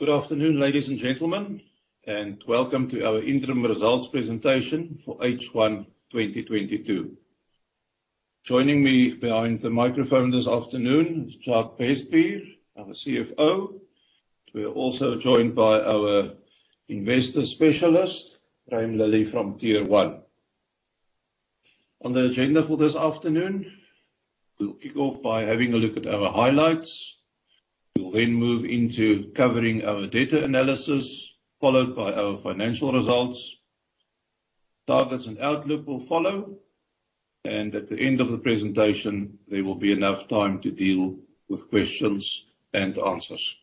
Good afternoon, ladies and gentlemen, and welcome to our interim results presentation for H1 2022. Joining me behind the microphone this afternoon is Jacques Bestbier, our CFO. We are also joined by our Investor Specialist, Graeme Lillie from Tier 1. On the agenda for this afternoon, we'll kick off by having a look at our highlights. We'll then move into covering our data analysis, followed by our financial results. Targets and outlook will follow, and at the end of the presentation, there will be enough time to deal with questions and answers.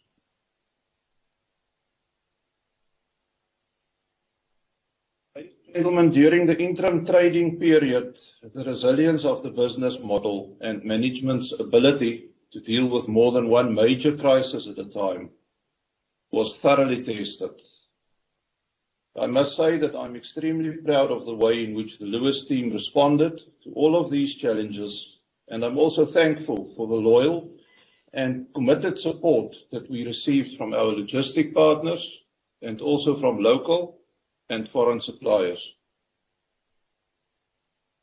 Ladies and gentlemen, during the interim trading period, the resilience of the business model and management's ability to deal with more than one major crisis at a time was thoroughly tested. I must say that I'm extremely proud of the way in which the Lewis team responded to all of these challenges, and I'm also thankful for the loyal and committed support that we received from our logistic partners and also from local and foreign suppliers.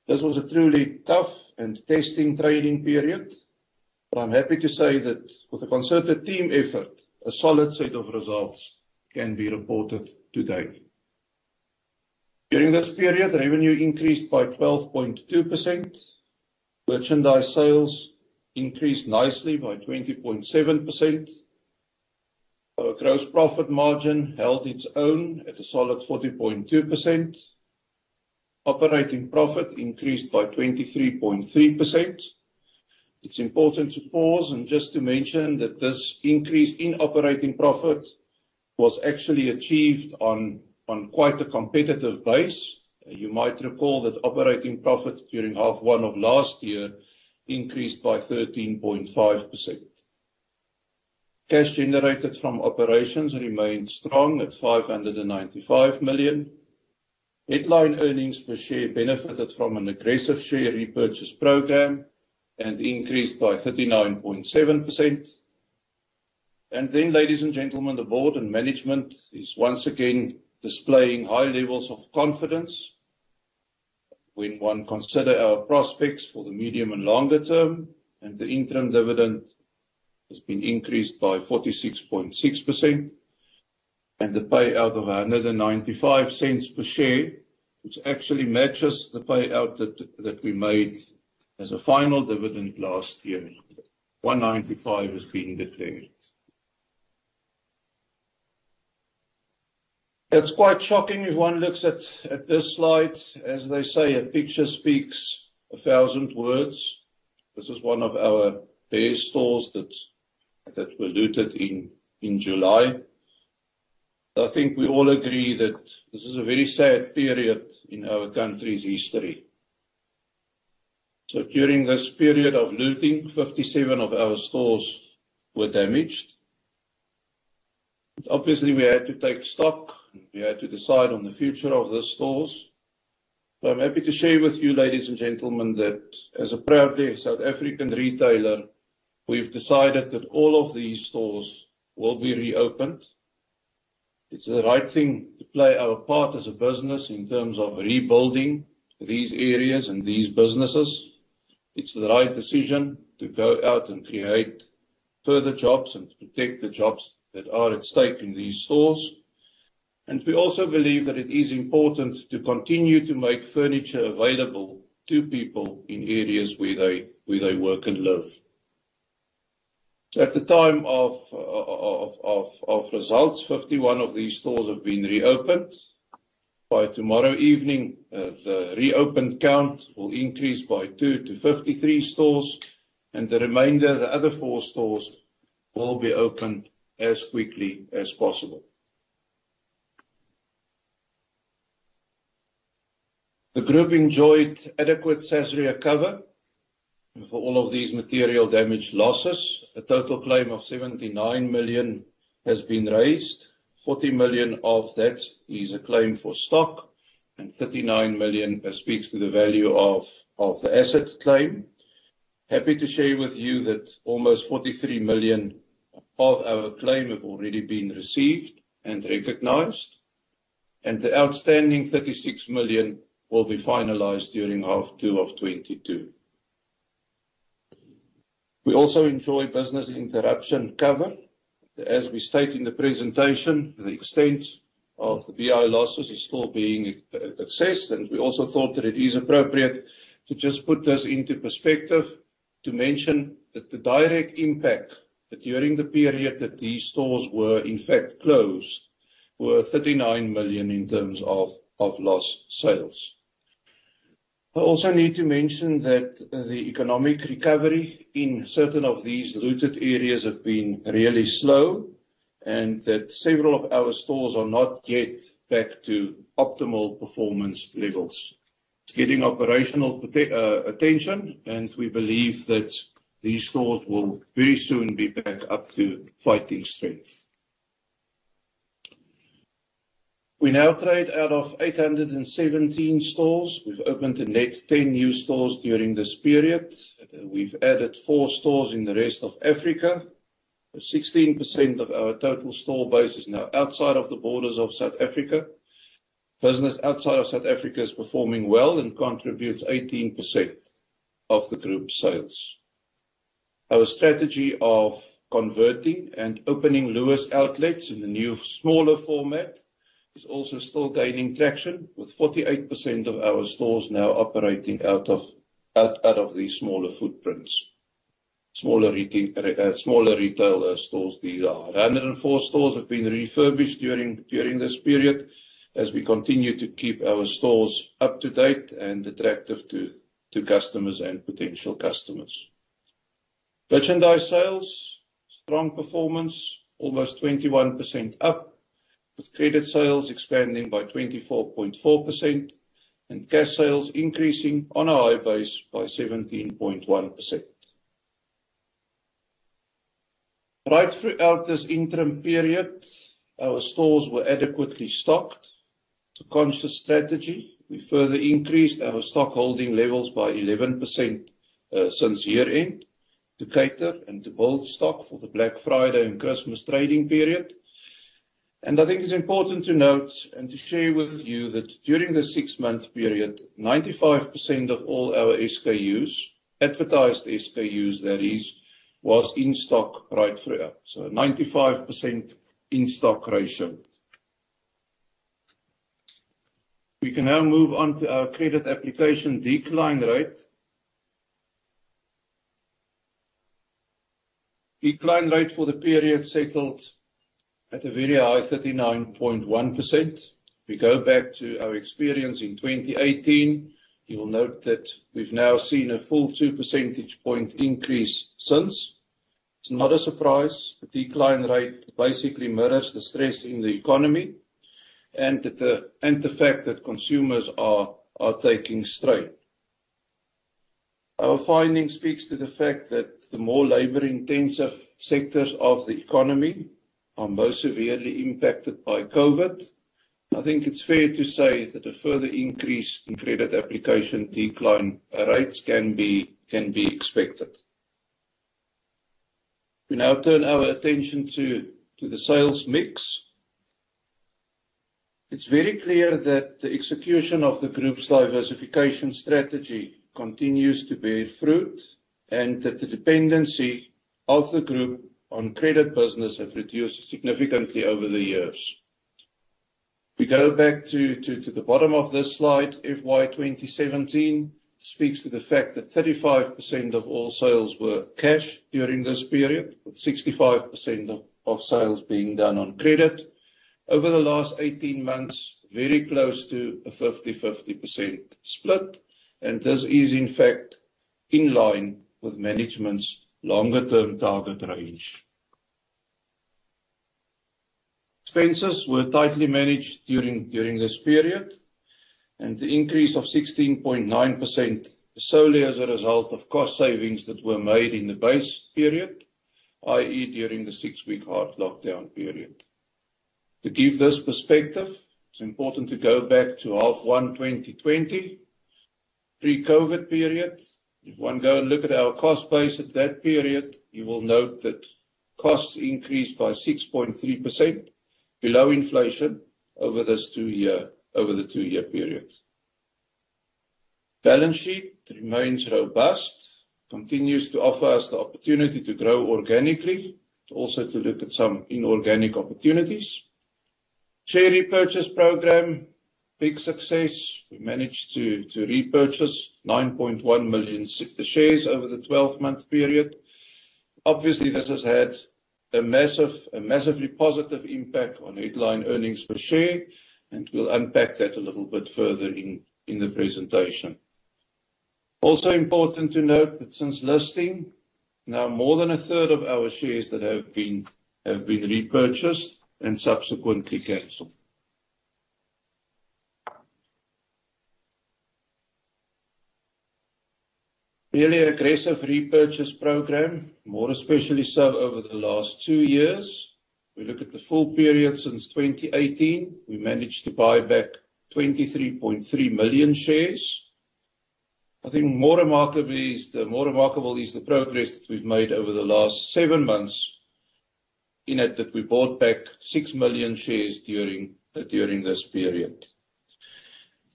This was a truly tough and testing trading period. I'm happy to say that with a concerted team effort, a solid set of results can be reported today. During this period, revenue increased by 12.2%. Merchandise sales increased nicely by 20.7%. Our gross profit margin held its own at a solid 40.2%. Operating profit increased by 23.3%. It's important to pause and just to mention that this increase in operating profit was actually achieved on quite a competitive base. You might recall that operating profit during half one of last year increased by 13.5%. Cash generated from operations remained strong at 595 million. Headline earnings per share benefited from an aggressive share repurchase program and increased by 39.7%. Then, ladies and gentlemen, the board and management is once again displaying high levels of confidence when one consider our prospects for the medium and longer term, and the interim dividend has been increased by 46.6%. The payout of 1.95 per share, which actually matches the payout that we made as a final dividend last year. 1.95 is being declared. It's quite shocking if one looks at this slide. As they say, a picture speaks a thousand words. This is one of our best stores that were looted in July. I think we all agree that this is a very sad period in our country's history. During this period of looting, 57 of our stores were damaged. Obviously, we had to take stock. We had to decide on the future of the stores. I'm happy to share with you, ladies and gentlemen, that as a proudly South African retailer, we've decided that all of these stores will be reopened. It's the right thing to play our part as a business in terms of rebuilding these areas and these businesses. It's the right decision to go out and create further jobs and to protect the jobs that are at stake in these stores. We also believe that it is important to continue to make furniture available to people in areas where they work and live. At the time of results, 51 of these stores have been reopened. By tomorrow evening, the reopened count will increase by two to 53 stores, and the remainder, the other four stores, will be opened as quickly as possible. The group enjoyed adequate Sasria cover for all of these material damage losses. A total claim of 79 million has been raised. 40 million of that is a claim for stock, and 39 million speaks to the value of the asset claim. Happy to share with you that almost 43 million of our claim have already been received and recognized, and the outstanding 36 million will be finalized during H2 2022. We also enjoy business interruption cover. As we state in the presentation, the extent of the BI losses is still being assessed, and we also thought that it is appropriate to just put this into perspective to mention that the direct impact that during the period that these stores were in fact closed were 39 million in terms of of lost sales. I also need to mention that the economic recovery in certain of these looted areas have been really slow and that several of our stores are not yet back to optimal performance levels. It's getting operational attention, and we believe that these stores will very soon be back up to fighting strength. We now trade out of 817 stores. We've opened a net 10 new stores during this period. We've added four stores in the rest of Africa. 16% of our total store base is now outside of the borders of South Africa. Business outside of South Africa is performing well and contributes 18% of the group's sales. Our strategy of converting and opening Lewis outlets in the new smaller format is also still gaining traction, with 48% of our stores now operating out of these smaller footprints. Smaller retailer stores these are. 104 stores have been refurbished during this period as we continue to keep our stores up to date and attractive to customers and potential customers. Merchandise sales strong performance, almost 21% up, with credit sales expanding by 24.4% and cash sales increasing on a high base by 17.1%. Right throughout this interim period, our stores were adequately stocked. It's a conscious strategy. We further increased our stock holding levels by 11% since year end to cater and to build stock for the Black Friday and Christmas trading period. I think it's important to note and to share with you that during the six-month period, 95% of all our SKUs, advertised SKUs that is, was in stock right throughout. A 95% in-stock ratio. We can now move on to our credit application decline rate. Decline rate for the period settled at a very high 39.1%. We go back to our experience in 2018. You will note that we've now seen a full 2 percentage point increase since. It's not a surprise. The decline rate basically mirrors the stress in the economy and the fact that consumers are taking strain. Our finding speaks to the fact that the more labor-intensive sectors of the economy are most severely impacted by COVID. I think it's fair to say that a further increase in credit application decline rates can be expected. We now turn our attention to the sales mix. It's very clear that the execution of the group's diversification strategy continues to bear fruit, and that the dependency of the group on credit business have reduced significantly over the years. We go back to the bottom of this slide, FY 2017 speaks to the fact that 35% of all sales were cash during this period, with 65% of sales being done on credit. Over the last 18 months, very close to a 50/50 split, and this is in fact in line with management's longer term target range. Expenses were tightly managed during this period, and the increase of 16.9% was solely as a result of cost savings that were made in the base period, i.e., during the six-week hard lockdown period. To give this perspective, it's important to go back to H1 2020, pre-COVID period. If one go and look at our cost base at that period, you will note that costs increased by 6.3% below inflation over the two-year period. Balance sheet remains robust, continues to offer us the opportunity to grow organically, also to look at some inorganic opportunities. Share repurchase program, big success. We managed to repurchase 9.1 million shares over the 12-month period. Obviously, this has had a massively positive impact on headline earnings per share, and we'll unpack that a little bit further in the presentation. Also important to note that since listing, now more than 1/3 of our shares have been repurchased and subsequently canceled. Really aggressive repurchase program, more especially so over the last two years. We look at the full period since 2018. We managed to buy back 23.3 million shares. I think more remarkable is the progress that we've made over the last seven months in that we bought back 6 million shares during this period.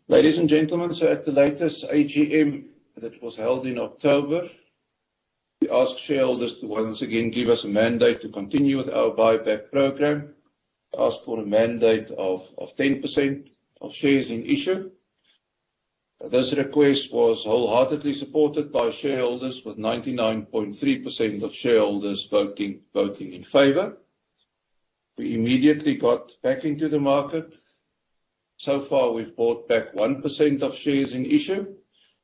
Ladies and gentlemen, at the latest AGM that was held in October, we asked shareholders to once again give us a mandate to continue with our buyback program, asked for a mandate of 10% of shares in issue. This request was wholeheartedly supported by shareholders with 99.3% of shareholders voting in favor. We immediately got back into the market. So far, we've bought back 1% of shares in issue.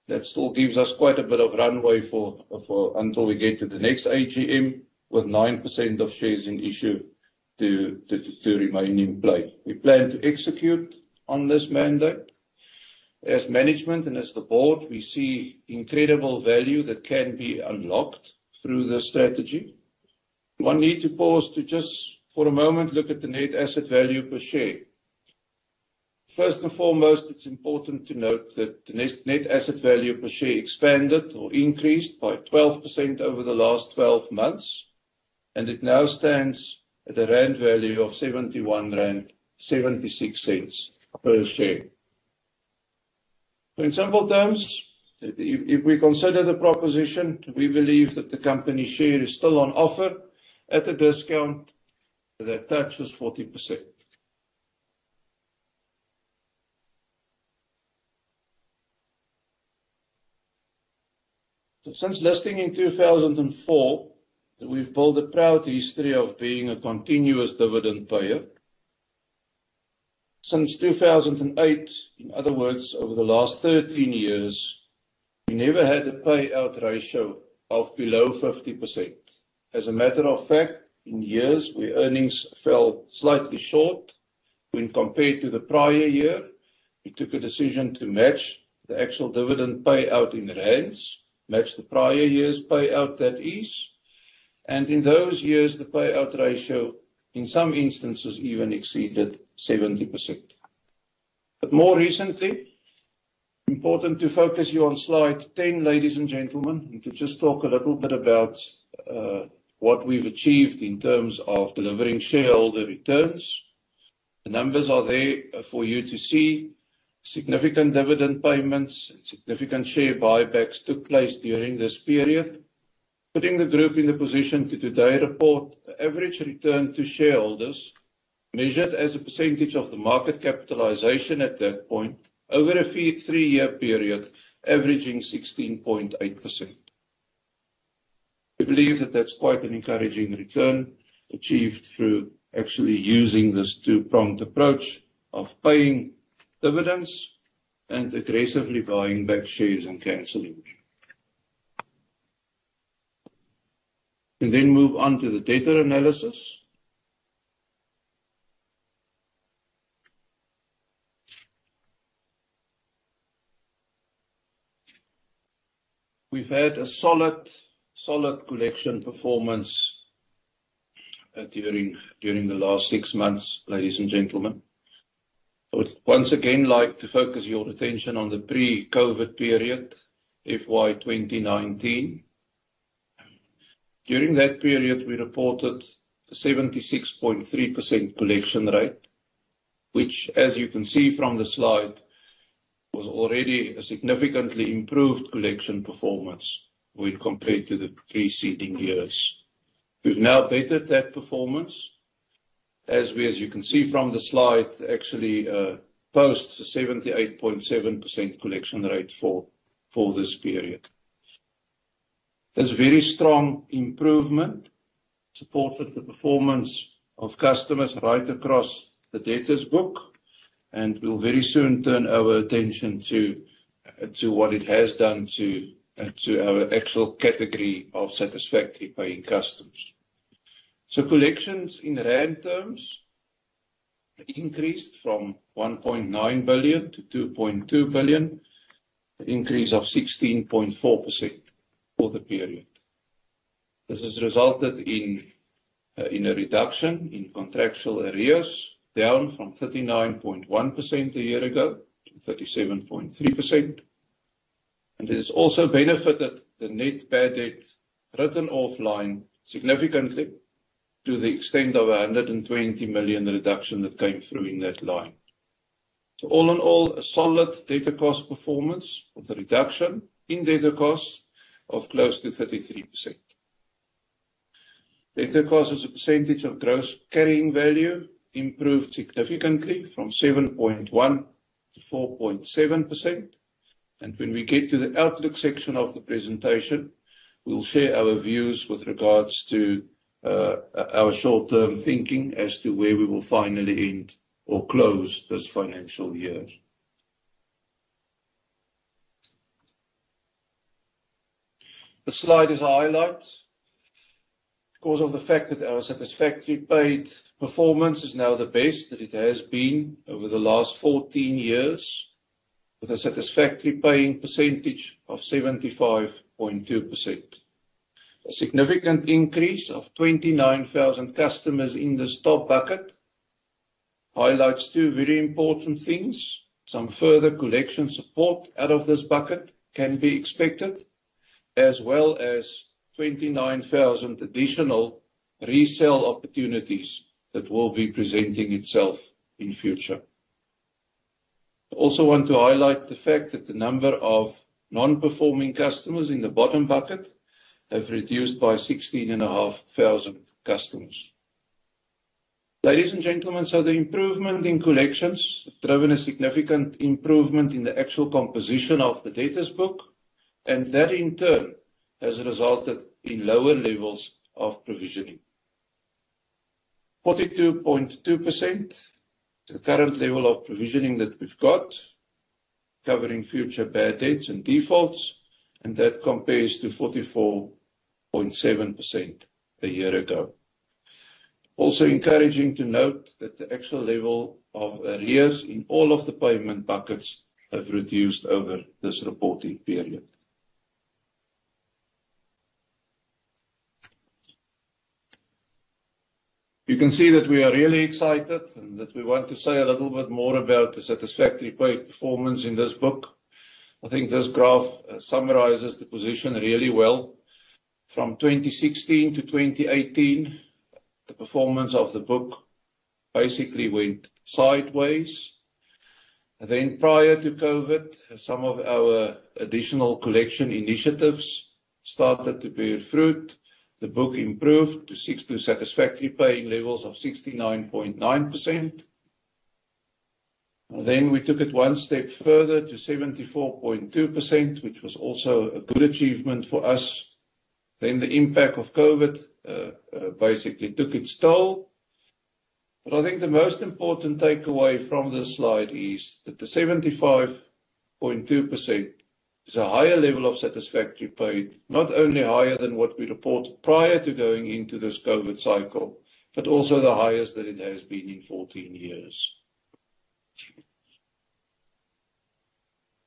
That still gives us quite a bit of runway until we get to the next AGM with 9% of shares in issue to remain in play. We plan to execute on this mandate. As management and as the board, we see incredible value that can be unlocked through this strategy. One needs to pause to just for a moment look at the net asset value per share. First and foremost, it's important to note that the net asset value per share expanded or increased by 12% over the last 12 months, and it now stands at a rand value of 71.76 rand per share. In simple terms, if we consider the proposition, we believe that the company share is still on offer at a discount that touches 40%. Since listing in 2004, we've built a proud history of being a continuous dividend payer. Since 2008, in other words, over the last 13 years, we never had a payout ratio of below 50%. As a matter of fact, in years where earnings fell slightly short when compared to the prior year, we took a decision to match the actual dividend payout in rands, match the prior year's payout that is. In those years, the payout ratio in some instances even exceeded 70%. More recently, important to focus you on slide 10, ladies and gentlemen, and to just talk a little bit about what we've achieved in terms of delivering shareholder returns. The numbers are there for you to see. Significant dividend payments and significant share buybacks took place during this period, putting the group in the position to today report an average return to shareholders measured as a percentage of the market capitalization at that point over a five-year period, averaging 16.8%. We believe that that's quite an encouraging return, achieved through actually using this two-pronged approach of paying dividends and aggressively buying back shares and canceling. We move on to the debt analysis. We've had a solid collection performance during the last six months, ladies and gentlemen. I would once again like to focus your attention on the pre-COVID period, FY 2019. During that period, we reported a 76.3% collection rate, which as you can see from the slide, was already a significantly improved collection performance when compared to the preceding years. We've now bettered that performance. As you can see from the slide, actually, posts a 78.7% collection rate for this period. That's a very strong improvement, supported the performance of customers right across the debtors book, and we'll very soon turn our attention to what it has done to our actual category of satisfactory paying customers. Collections in rand terms increased from 1.9 billion to 2.2 billion, an increase of 16.4% for the period. This has resulted in a reduction in contractual arrears, down from 39.1% a year ago to 37.3%. It has also benefited the net bad debt written off line significantly to the extent of a 120 million reduction that came through in that line. All in all, a solid debt cost performance with a reduction in debt costs of close to 33%. Debt cost as a percentage of gross carrying value improved significantly from 7.1% to 4.7%. When we get to the outlook section of the presentation, we'll share our views with regards to our short-term thinking as to where we will finally end or close this financial year. The slide is a highlight. Because of the fact that our satisfactorily paid performance is now the best that it has been over the last 14 years, with a satisfactory paying percentage of 75.2%. A significant increase of 29,000 customers in this top bucket highlights two very important things. Some further collection support out of this bucket can be expected, as well as 29,000 additional resale opportunities that will be presenting itself in future. I also want to highlight the fact that the number of non-performing customers in the bottom bucket have reduced by 16,500 customers. Ladies and gentlemen, the improvement in collections have driven a significant improvement in the actual composition of the debtors book, and that in turn has resulted in lower levels of provisioning. 42.2%, the current level of provisioning that we've got, covering future bad debts and defaults, and that compares to 44.7% a year ago. It's also encouraging to note that the actual level of arrears in all of the payment buckets have reduced over this reporting period. You can see that we are really excited, and that we want to say a little bit more about the satisfactory pay performance in this book. I think this graph summarizes the position really well. From 2016 to 2018, the performance of the book basically went sideways. Then prior to COVID, some of our additional collection initiatives started to bear fruit. The book improved to satisfactory paying levels of 69.9%. Then we took it one step further to 74.2%, which was also a good achievement for us. The impact of COVID basically took its toll. I think the most important takeaway from this slide is that the 75.2% is a higher level of satisfactory paid, not only higher than what we reported prior to going into this COVID cycle, but also the highest that it has been in 14 years.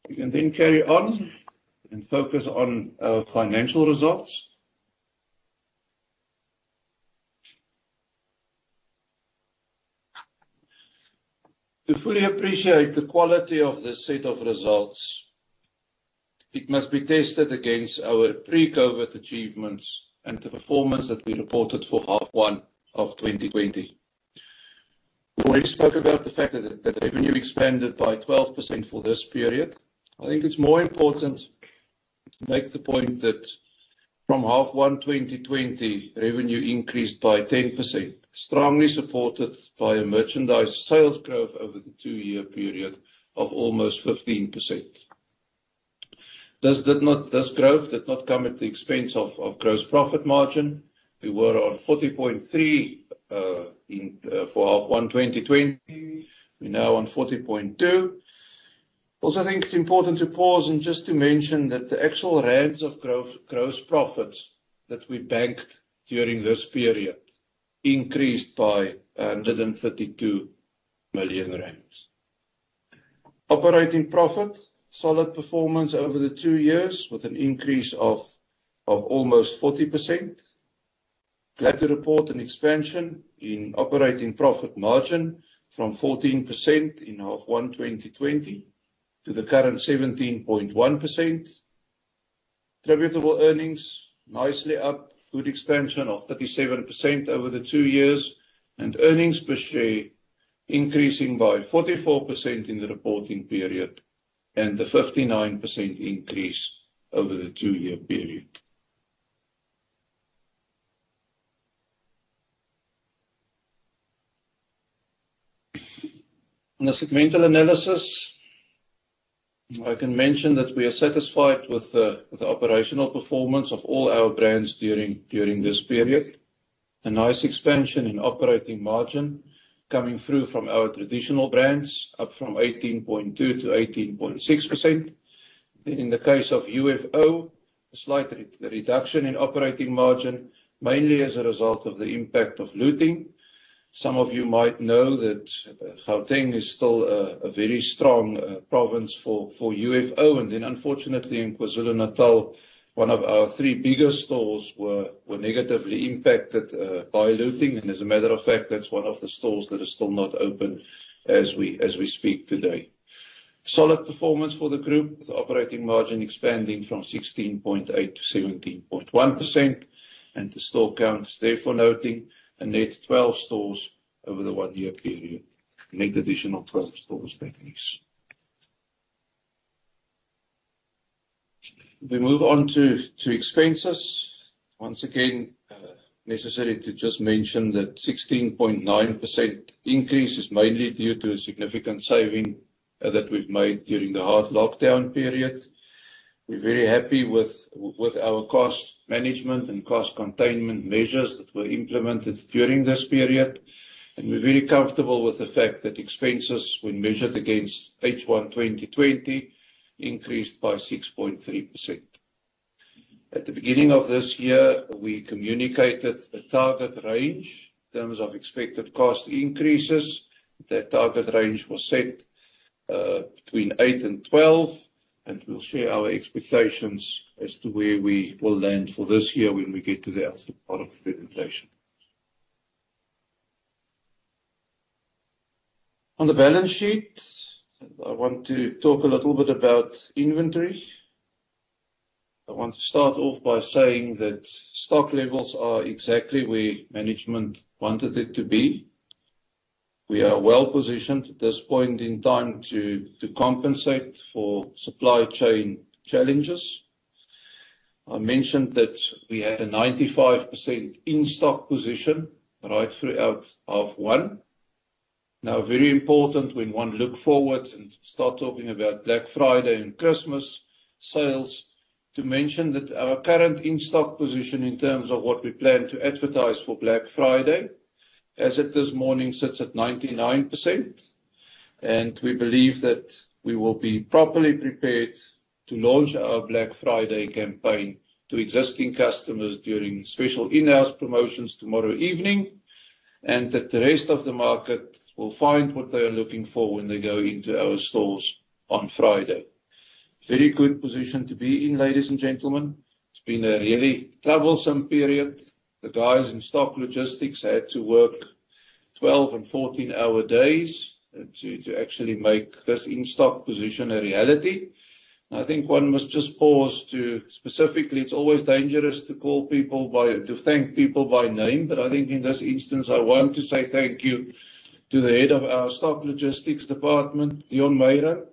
We can then carry on and focus on our financial results. To fully appreciate the quality of this set of results, it must be tested against our pre-COVID achievements and the performance that we reported for H1 2020. We already spoke about the fact that revenue expanded by 12% for this period. I think it's more important to make the point that from H1 2020, revenue increased by 10%, strongly supported by a merchandise sales growth over the two-year period of almost 15%. This growth did not come at the expense of gross profit margin. We were on 40.3 in H1 2020. We're now on 40.2. Also, I think it's important to pause and just to mention that the actual rands of growth, gross profits that we banked during this period increased by 132 million rand. Operating profit, solid performance over the two years with an increase of almost 40%. Glad to report an expansion in operating profit margin from 14% in H1 2020 to the current 17.1%. Attributable earnings nicely up. Good expansion of 37% over the two years, and earnings per share increasing by 44% in the reporting period, and a 59% increase over the two-year period. On a segmental analysis, I can mention that we are satisfied with the operational performance of all our brands during this period. A nice expansion in operating margin coming through from our traditional brands, up from 18.2% to 18.6%. In the case of UFO, a slight reduction in operating margin, mainly as a result of the impact of looting. Some of you might know that Gauteng is still a very strong province for UFO. Unfortunately in KwaZulu-Natal, one of our three bigger stores were negatively impacted by looting. As a matter of fact, that's one of the stores that are still not open as we speak today. Solid performance for the group with operating margin expanding from 16.8% to 17.1%, and the store counts therefore noting a net 12 stores over the one-year period. A net additional 12 stores net increase. If we move on to expenses. Once again, necessary to just mention that 16.9% increase is mainly due to a significant saving that we've made during the hard lockdown period. We're very happy with our cost management and cost containment measures that were implemented during this period. We're very comfortable with the fact that expenses when measured against H1 2020 increased by 6.3%. At the beginning of this year, we communicated the target range in terms of expected cost increases. That target range was set between 8%-12%, and we'll share our expectations as to where we will land for this year when we get to the output part of the presentation. On the balance sheet, I want to talk a little bit about inventory. I want to start off by saying that stock levels are exactly where management wanted it to be. We are well positioned at this point in time to compensate for supply chain challenges. I mentioned that we had a 95% in-stock position right throughout H1. Now, very important when one look forward and start talking about Black Friday and Christmas sales, to mention that our current in-stock position in terms of what we plan to advertise for Black Friday as at this morning, sits at 99%. We believe that we will be properly prepared to launch our Black Friday campaign to existing customers during special in-house promotions tomorrow evening. That the rest of the market will find what they are looking for when they go into our stores on Friday. Very good position to be in, ladies and gentlemen. It's been a really troublesome period. The guys in Stock Logistics had to work 12- and 14-hour days to actually make this in-stock position a reality. I think one must just pause. Specifically, it's always dangerous to call people by...to thank people by name, but I think in this instance, I want to say thank you to the head of our stock logistics department, Dion Meyer.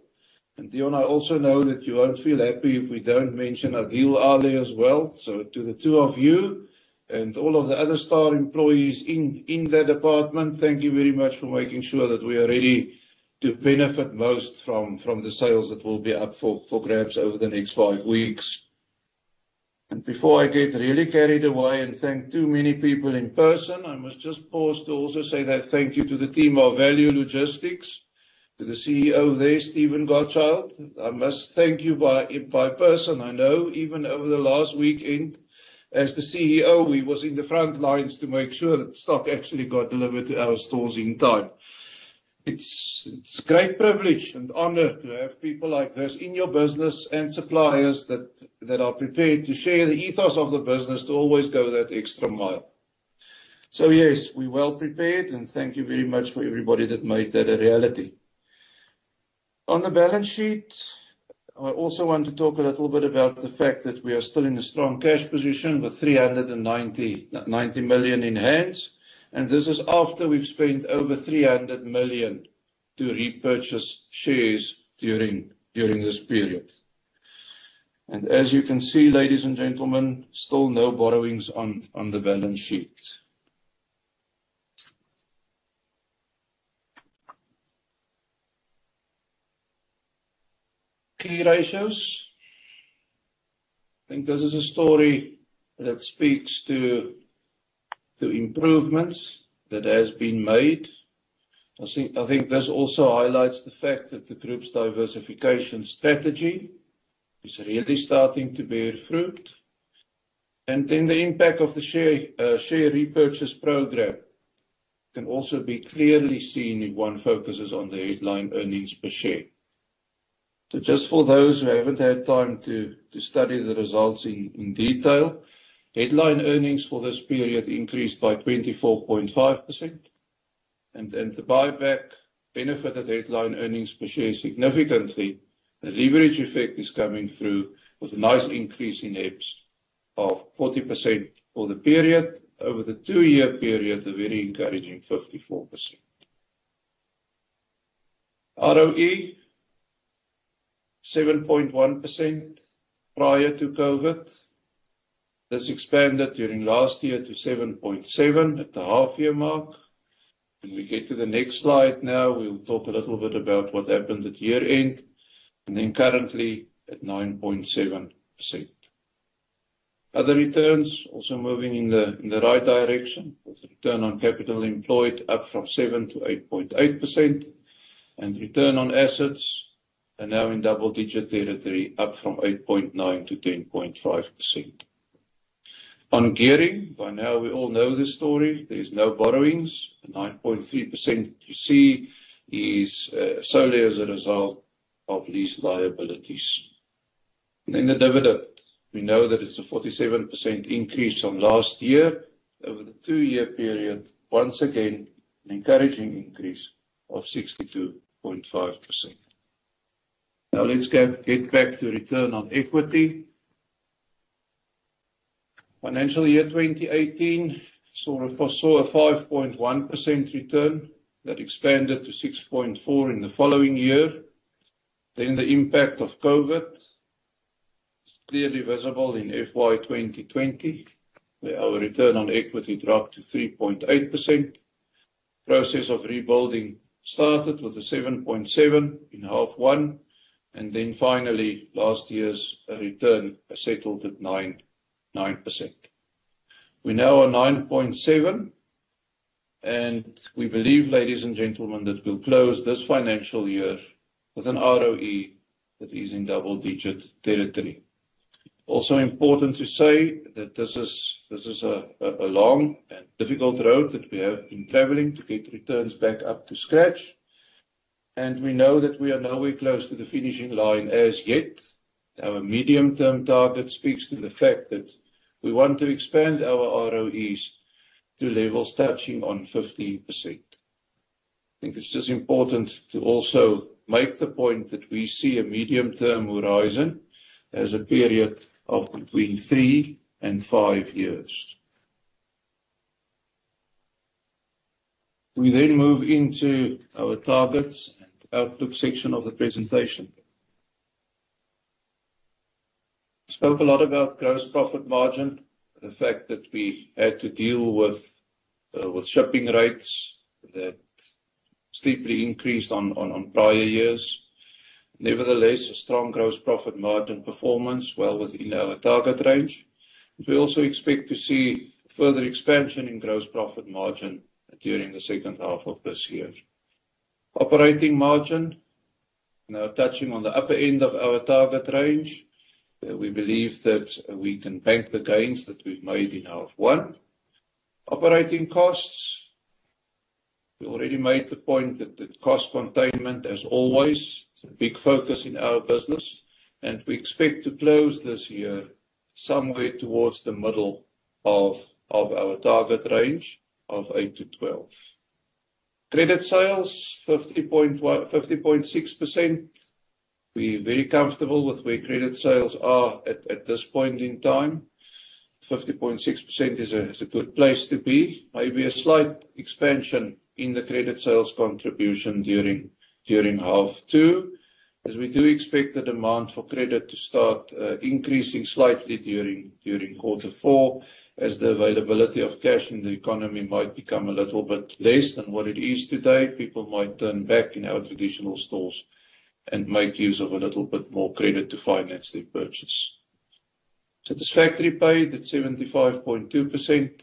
Dion, I also know that you won't feel happy if we don't mention Adeel Ali as well. To the two of you and all of the other star employees in that department, thank you very much for making sure that we are ready to benefit most from the sales that will be up for grabs over the next five weeks. Before I get really carried away and thank too many people in person, I must just pause to also say thank you to the team of Value Logistics. To the CEO there, Steven Gottschalk, I must thank you personally. I know even over the last weekend, as the CEO, he was in the front lines to make sure that the stock actually got delivered to our stores in time. It's a great privilege and honor to have people like this in your business and suppliers that are prepared to share the ethos of the business to always go that extra mile. Yes, we're well prepared, and thank you very much for everybody that made that a reality. On the balance sheet, I also want to talk a little bit about the fact that we are still in a strong cash position with 390 million in hand. This is after we've spent over 300 million to repurchase shares during this period. As you can see, ladies and gentlemen, still no borrowings on the balance sheet. Key ratios. I think this is a story that speaks to improvements that has been made. I think this also highlights the fact that the group's diversification strategy is really starting to bear fruit. The impact of the share repurchase program can also be clearly seen if one focuses on the headline earnings per share. Just for those who haven't had time to study the results in detail, headline earnings for this period increased by 24.5%. The buyback benefited headline earnings per share significantly. The leverage effect is coming through with a nice increase in EPS of 40% for the period. Over the two-year period, a very encouraging 54%. ROE, 7.1% prior to COVID. This expanded during last year to 7.7% at the half year mark. When we get to the next slide now, we'll talk a little bit about what happened at year-end, and then currently at 9.7%. Other returns also moving in the right direction with return on capital employed up from 7% to 8.8%. Return on assets are now in double digit territory, up from 8.9% to 10.5%. On gearing, by now we all know this story. There's no borrowings. The 9.3% you see is solely as a result of lease liabilities. The dividend. We know that it's a 47% increase from last year. Over the two-year period, once again, an encouraging increase of 62.5%. Now let's go get back to return on equity. Financial year 2018 saw a 5.1% return that expanded to 6.4% in the following year. The impact of COVID is clearly visible in FY 2020, where our return on equity dropped to 3.8%. Process of rebuilding started with a 7.7% in half one. Finally, last year's return settled at 9%. We're now on 9.7%, and we believe, ladies and gentlemen, that we'll close this financial year with an ROE that is in double-digit territory. Also important to say that this is a long and difficult road that we have been traveling to get returns back up to scratch. We know that we are nowhere close to the finishing line as yet. Our medium-term target speaks to the fact that we want to expand our ROEs to levels touching on 15%. I think it's just important to also make the point that we see a medium-term horizon as a period of between three and five years. We then move into our targets and outlook section of the presentation. We spoke a lot about gross profit margin, the fact that we had to deal with shipping rates that steeply increased on prior years. Nevertheless, a strong gross profit margin performance well within our target range. We also expect to see further expansion in gross profit margin during the second half of this year. Operating margin now touching on the upper end of our target range. We believe that we can bank the gains that we've made in half one. Operating costs. We already made the point that cost containment as always is a big focus in our business, and we expect to close this year somewhere towards the middle of our target range of 8-12. Credit sales, 50.6%. We're very comfortable with where credit sales are at this point in time. 50.6% is a good place to be. Maybe a slight expansion in the credit sales contribution during half two, as we do expect the demand for credit to start increasing slightly during quarter four as the availability of cash in the economy might become a little bit less than what it is today. People might turn back in our traditional stores and make use of a little bit more credit to finance their purchase. Satisfactory pay at 75.2%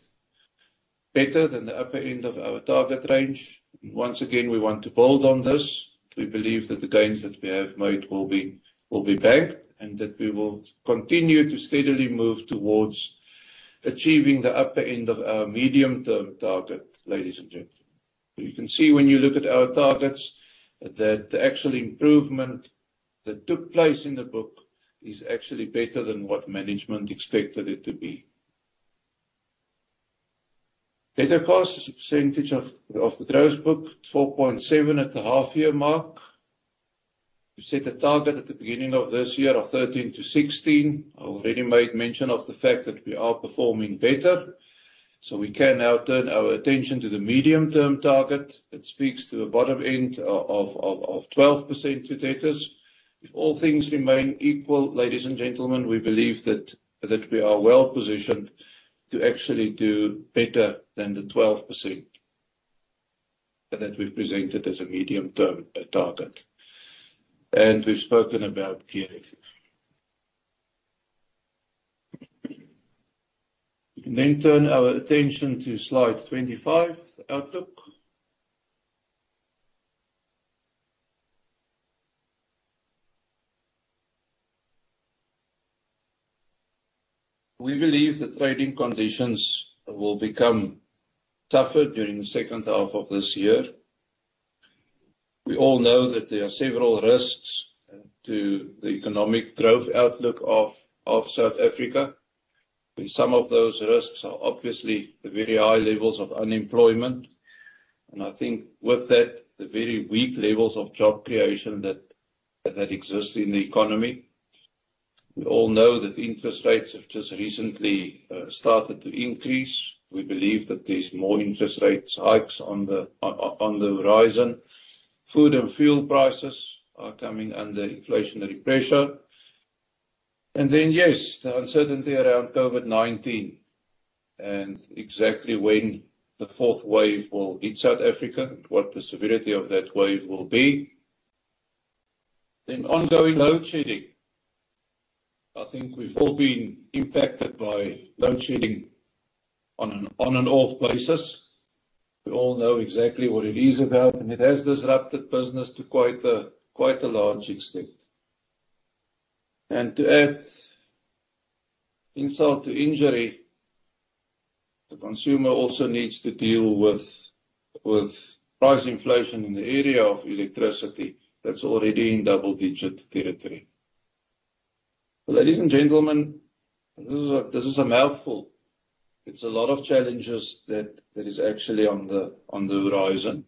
better than the upper end of our target range. Once again, we want to build on this. We believe that the gains that we have made will be banked, and that we will continue to steadily move towards achieving the upper end of our medium-term target, ladies and gentlemen. You can see when you look at our targets that the actual improvement that took place in the book is actually better than what management expected it to be. Bad debt costs as a percentage of the gross book, 4.7% at the half year mark. We set a target at the beginning of this year of 13%-16%. I already made mention of the fact that we are performing better, so we can now turn our attention to the medium-term target that speaks to the bottom end of 12% to debtors. If all things remain equal, ladies and gentlemen, we believe that we are well positioned to actually do better than the 12% that we presented as a medium-term target. We've spoken about gearing. We can then turn our attention to slide 25, outlook. We believe the trading conditions will become tougher during the second half of this year. We all know that there are several risks to the economic growth outlook of South Africa, and some of those risks are obviously the very high levels of unemployment, and I think with that, the very weak levels of job creation that exists in the economy. We all know that interest rates have just recently started to increase. We believe that there's more interest rates hikes on the horizon. Food and fuel prices are coming under inflationary pressure. The uncertainty around COVID-19 and exactly when the fourth wave will hit South Africa and what the severity of that wave will be. Ongoing load shedding. I think we've all been impacted by load shedding on and off basis. We all know exactly what it is about, and it has disrupted business to quite a large extent. To add insult to injury, the consumer also needs to deal with price inflation in the area of electricity that's already in double-digit territory. Ladies and gentlemen, this is a mouthful. It's a lot of challenges that is actually on the horizon.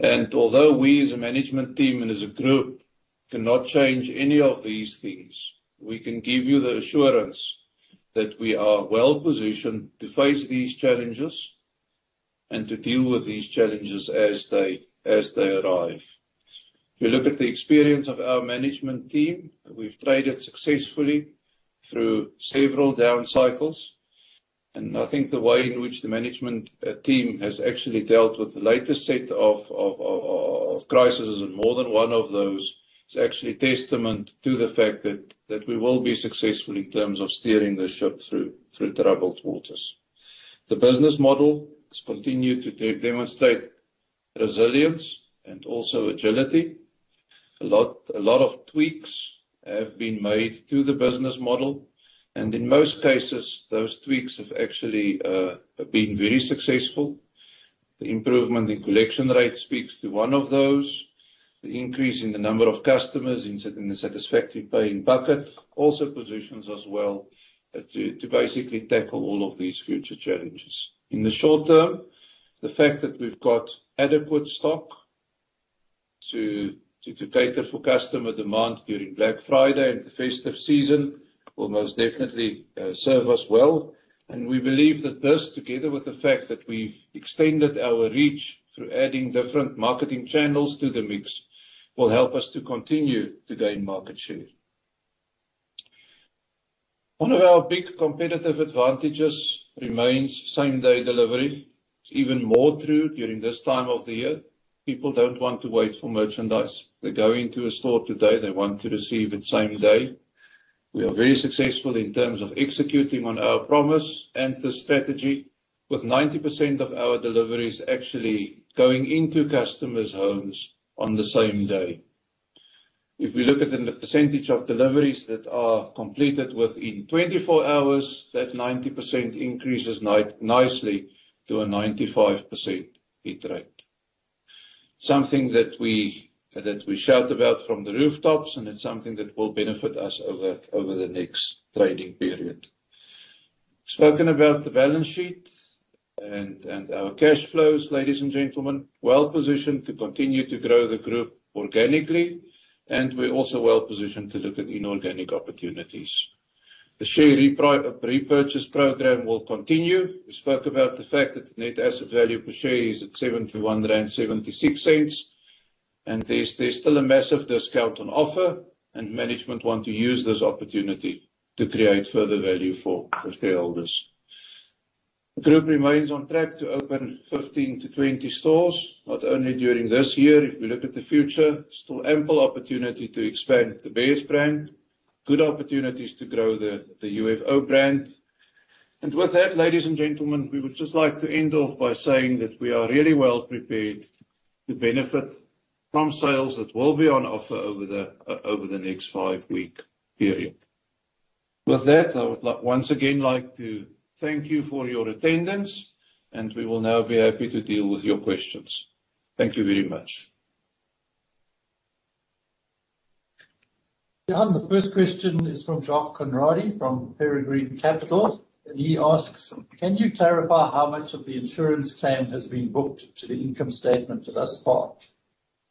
Although we as a management team and as a group cannot change any of these things, we can give you the assurance that we are well-positioned to face these challenges and to deal with these challenges as they arrive. If you look at the experience of our management team, we've traded successfully through several down cycles, and I think the way in which the management team has actually dealt with the latest set of crises and more than one of those, is actually testament to the fact that we will be successful in terms of steering the ship through troubled waters. The business model has continued to demonstrate resilience and also agility. A lot of tweaks have been made to the business model, and in most cases, those tweaks have actually been very successful. The improvement in collection rate speaks to one of those. The increase in the number of customers in the satisfactory paying bucket also positions us well to basically tackle all of these future challenges. In the short term, the fact that we've got adequate stock to cater for customer demand during Black Friday and the festive season will most definitely serve us well. We believe that this, together with the fact that we've extended our reach through adding different marketing channels to the mix, will help us to continue to gain market share. One of our big competitive advantages remains same-day delivery. It's even more true during this time of the year. People don't want to wait for merchandise. They go into a store today, they want to receive it same day. We are very successful in terms of executing on our promise and the strategy with 90% of our deliveries actually going into customers' homes on the same day. If we look at the percentage of deliveries that are completed within 24 hours, that 90% increases nicely to a 95% hit rate. Something that we shout about from the rooftops, and it's something that will benefit us over the next trading period. We've spoken about the balance sheet and our cash flows, ladies and gentlemen. We're well positioned to continue to grow the group organically, and we're also well positioned to look at inorganic opportunities. The share repurchase program will continue. We spoke about the fact that the net asset value per share is at 71.76, and there's still a massive discount on offer, and management want to use this opportunity to create further value for shareholders. The group remains on track to open 15-20 stores, not only during this year. If we look at the future, still ample opportunity to expand the Beares brand. Good opportunities to grow the UFO brand. With that, ladies and gentlemen, we would just like to end off by saying that we are really well prepared to benefit from sales that will be on offer over the next five-week period. With that, I would like once again to thank you for your attendance, and we will now be happy to deal with your questions. Thank you very much. Johan, the first question is from Jacques Conradie from Peregrine Capital, and he asks: Can you clarify how much of the insurance claim has been booked to the income statement thus far?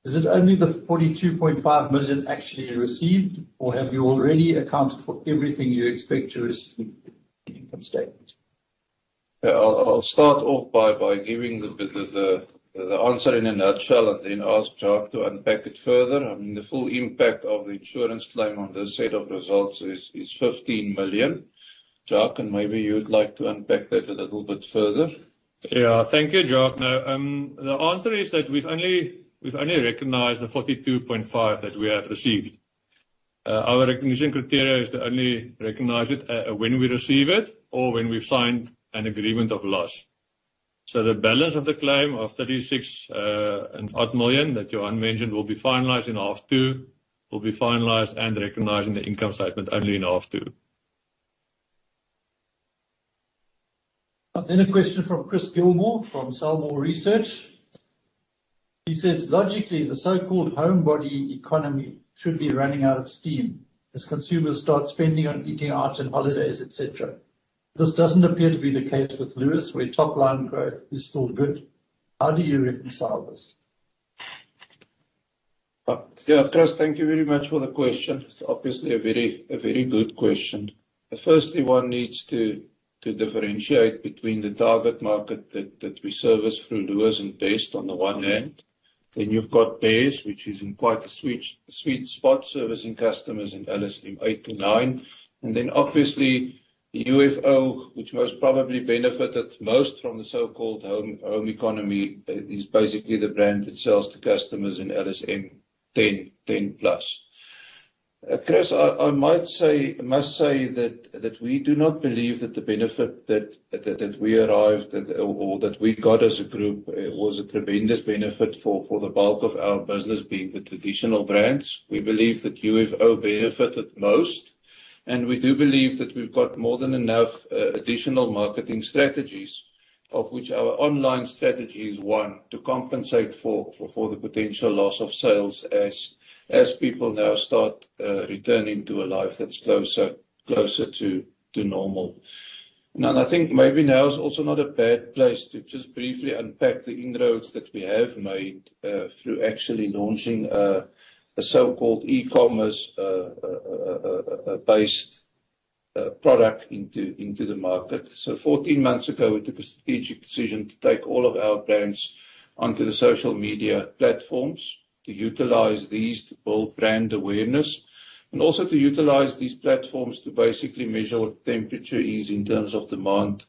Is it only the 42.5 million actually received, or have you already accounted for everything you expect to receive in the income statement? Yeah, I'll start off by giving the answer in a nutshell and then ask Jacques to unpack it further. I mean, the full impact of the insurance claim on this set of results is 15 million. Jacques, maybe you would like to unpack that a little bit further. Thank you, Jacques. No, the answer is that we've only recognized the 42.5 million that we have received. Our recognition criteria is to only recognize it when we receive it or when we've signed an agreement of loss. The balance of the claim of 36 and odd million that Johan mentioned will be finalized and recognized in the income statement only in H2. A question from Chris Gilmour from Gilmour Research. He says: Logically, the so-called homebody economy should be running out of steam as consumers start spending on eating out and holidays, et cetera. This doesn't appear to be the case with Lewis, where top line growth is still good. How do you reconcile this? Yeah, Chris, thank you very much for the question. It's obviously a very good question. Firstly, one needs to differentiate between the target market that we service through Lewis and Best on the one hand. You've got Beares, which is in quite a sweet spot servicing customers in LSM 8-9. Obviously the UFO, which most pRodably benefited most from the so-called home economy, is basically the brand that sells to customers in LSM 10+. Chris, I must say that we do not believe that the benefit that we arrived at or that we got as a group was a tremendous benefit for the bulk of our business being the traditional brands. We believe that UFO benefited most. We do believe that we've got more than enough additional marketing strategies, of which our online strategy is one, to compensate for the potential loss of sales as people now start returning to a life that's closer to normal. I think maybe now is also not a bad place to just briefly unpack the inroads that we have made through actually launching a so-called e-commerce-based product into the market. 14 months ago, we took a strategic decision to take all of our brands onto the social media platforms to utilize these to build brand awareness, and also to utilize these platforms to basically measure what the temperature is in terms of demand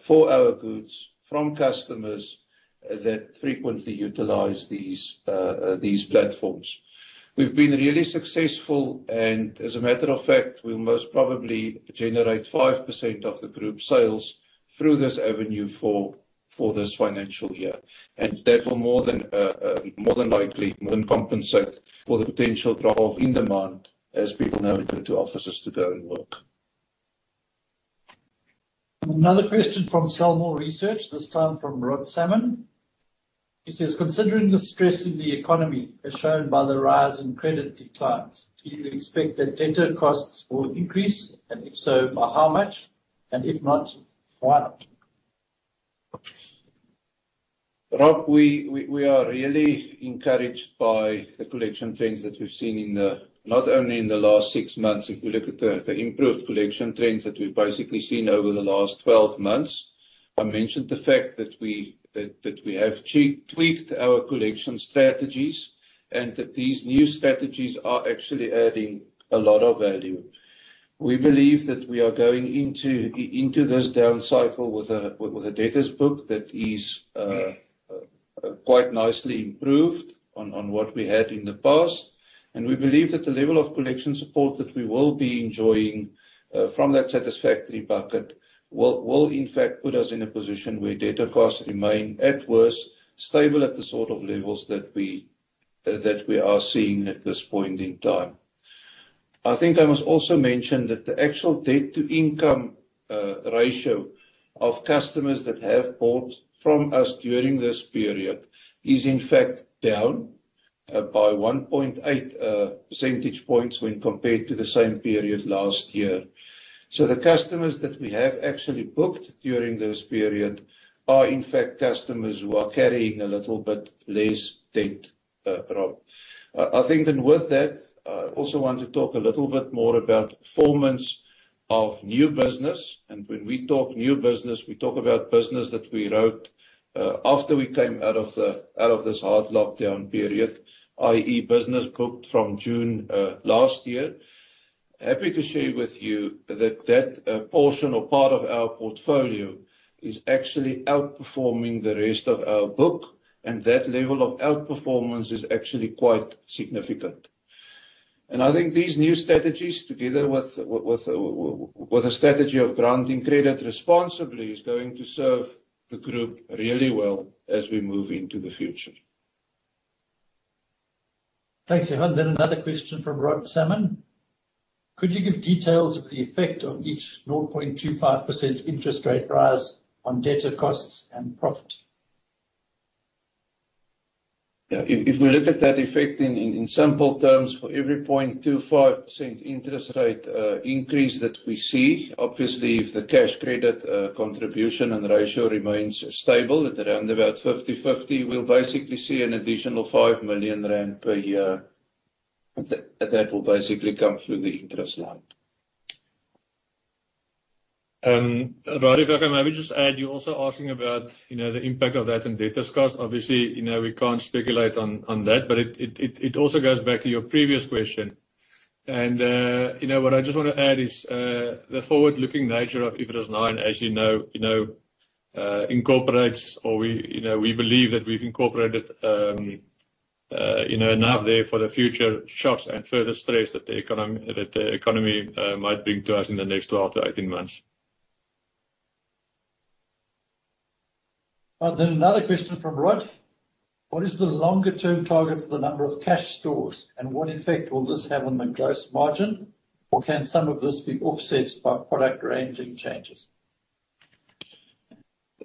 for our goods from customers that frequently utilize these platforms. We've been really successful and as a matter of fact, we'll most pRodably generate 5% of the group sales through this avenue for this financial year. That will more than likely more than compensate for the potential drop-off in demand as people now return to offices to go and work. Another question from Gilmour Research, this time from Rod Salmon. He says: Considering the stress in the economy as shown by the rise in credit declines, do you expect that debtor costs will increase? And if so, by how much? And if not, why not? Rod, we are really encouraged by the collection trends that we've seen in the not only in the last six months. If you look at the improved collection trends that we've basically seen over the last 12 months. I mentioned the fact that we have tweaked our collection strategies, and that these new strategies are actually adding a lot of value. We believe that we are going into this down cycle with the debtors book that is quite nicely improved on what we had in the past. We believe that the level of collection support that we will be enjoying from that satisfactory bucket will in fact put us in a position where debtor costs remain at worst stable at the sort of levels that we are seeing at this point in time. I think I must also mention that the actual debt to income ratio of customers that have bought from us during this period is in fact down by 1.8 percentage points when compared to the same period last year. The customers that we have actually booked during this period are in fact customers who are carrying a little bit less debt, Rod. I think then with that, I also want to talk a little bit more about performance of new business. When we talk new business, we talk about business that we wrote after we came out of this hard lockdown period, i.e. business booked from June last year. Happy to share with you that portion or part of our portfolio is actually outperforming the rest of our book, and that level of outperformance is actually quite significant. I think these new strategies, together with the strategy of granting credit responsibly, is going to serve the group really well as we move into the future. Thanks, Johan. Another question from Rod Salmon: Could you give details of the effect of each 0.25% interest rate rise on debtor costs and profit? Yeah. If we look at that effect in simple terms, for every 0.25% interest rate increase that we see, obviously if the cash credit contribution and ratio remains stable at around about 50/50, we'll basically see an additional 5 million rand per year that will basically come through the interest line. Rod, if I can maybe just add, you're also asking about, you know, the impact of that in debtors cost. Obviously, you know, we can't speculate on that, but it also goes back to your previous question. What I just wanna add is the forward-looking nature of IFRS 9, as you know, incorporates or we believe that we've incorporated enough there for the future shocks and further stress that the economy might bring to us in the next 12 to 18 months. Another question from Rod. What is the longer term target for the number of cash stores, and what effect will this have on the gross margin, or can some of this be offset by product ranging changes?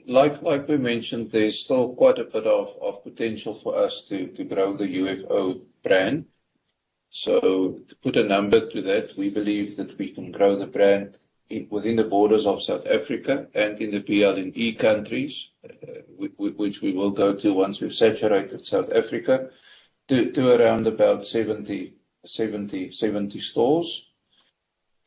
Like we mentioned, there's still quite a bit of potential for us to grow the UFO brand. To put a number to that, we believe that we can grow the brand within the borders of South Africa and in the BLNS countries, which we will go to once we've saturated South Africa, to around about 70 stores.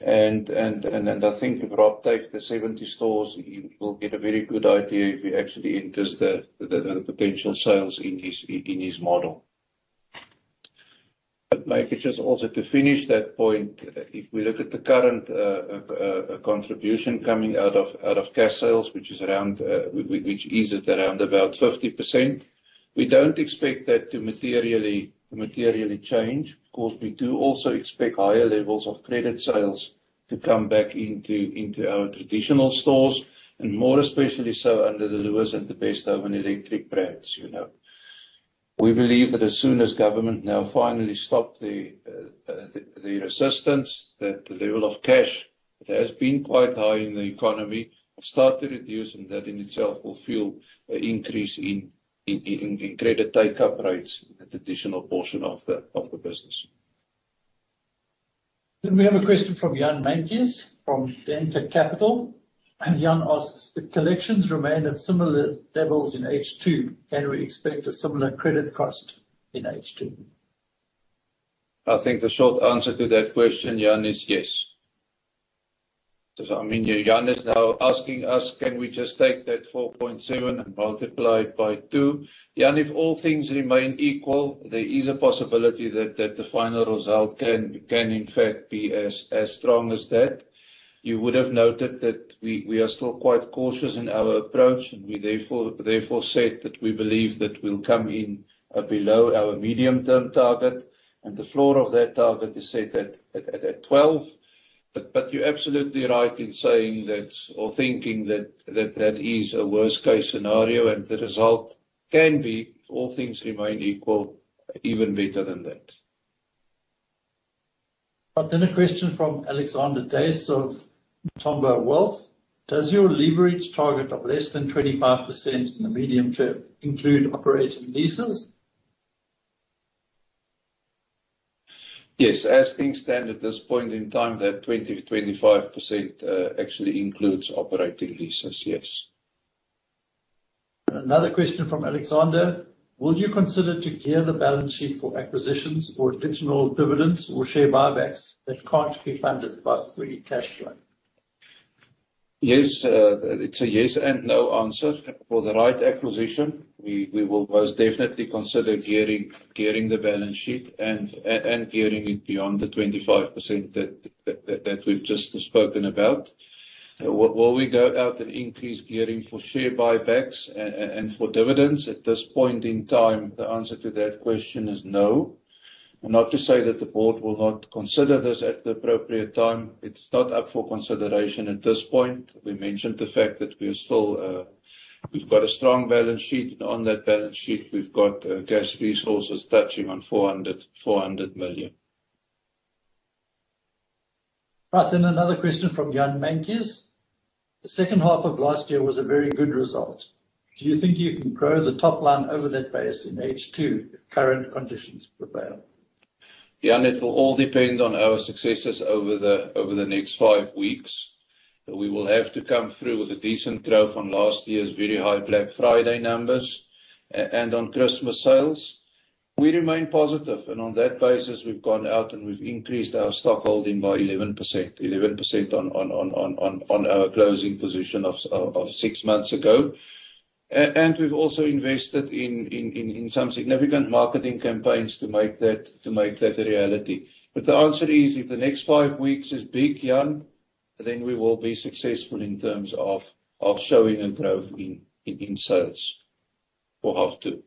I think if Rod takes the 70 stores, he will get a very good idea if he actually enters the potential sales in his model. Mike, just also to finish that point, if we look at the current contribution coming out of cash sales, which is at around about 50%, we don't expect that to materially change, because we do also expect higher levels of credit sales to come back into our traditional stores, and more especially so under the Lewis and the Best Home and Electric brands, you know. We believe that as soon as government now finally stop the resistance, that the level of cash that has been quite high in the economy will start to reduce, and that in itself will fuel an increase in credit take-up rates in the traditional portion of the business. We have a question from Jan Meintjes, from Denker Capital. Jan asks, if collections remain at similar levels in H2, can we expect a similar credit cost in H2? I think the short answer to that question, Jan, is yes. I mean, Jan is now asking us can we just take that 4.7% and multiply it by 2. Jan, if all things remain equal, there is a possibility that the final result can in fact be as strong as that. You would have noted that we are still quite cautious in our approach, and we therefore said that we believe that we'll come in below our medium-term target. The floor of that target is set at 12%. You're absolutely right in saying that or thinking that that is a worst case scenario, and the result can be, all things remain equal, even better than that. A question from Alexandre D'Acoz of Tambo Wealth. Does your leverage target of less than 25% in the medium term include operating leases? Yes. As things stand at this point in time, that 20%-25% actually includes operating leases, yes. Another question from Alexandre. Will you consider to gear the balance sheet for acquisitions or additional dividends or share buybacks that can't be funded by free cash flow? Yes. It's a yes and no answer. For the right acquisition, we will most definitely consider gearing the balance sheet and gearing it beyond the 25% that we've just spoken about. Will we go out and increase gearing for share buybacks and for dividends? At this point in time, the answer to that question is no. Not to say that the board will not consider this at the appropriate time. It's not up for consideration at this point. We mentioned the fact that we are still, we've got a strong balance sheet, and on that balance sheet, we've got cash resources touching on 400 million. Right. Another question from Jan Meintjies. The second half of last year was a very good result. Do you think you can grow the top line over that base in H2 if current conditions prevail? Jan, it will all depend on our successes over the next five weeks. We will have to come through with a decent growth on last year's very high Black Friday numbers and on Christmas sales. We remain positive. On that basis, we've gone out, and we've increased our stock holding by 11%. 11% on our closing position of six months ago. And we've also invested in some significant marketing campaigns to make that a reality. The answer is, if the next five weeks is big, Jan, then we will be successful in terms of showing a growth in sales for H2.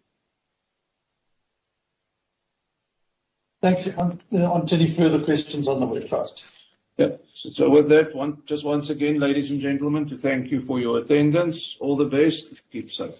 Thanks. Onto any further questions on the webcast. Yeah. With that, just once again, ladies and gentlemen, thank you for your attendance. All the best. Keep safe.